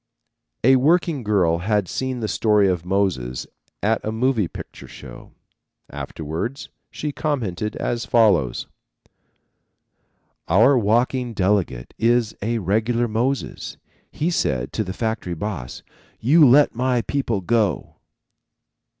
A working girl had seen the story of Moses at a moving picture show. Afterwards she commented as follows: "Our walking delegate is a regular Moses. He said to the factory boss, 'You let my people go.'"